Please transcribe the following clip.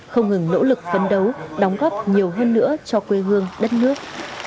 không ngừng nỗ lực phấn đấu đóng góp nhiều hơn nữa cho quê hương đất nước